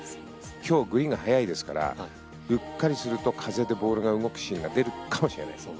今日グリーンが速いですからうっかりすると風でボールが動くシーンが出てくるかもしれないです。